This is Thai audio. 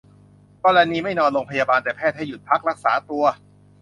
กรณีไม่นอนโรงพยาบาล แต่แพทย์ให้หยุดพักรักษาตัว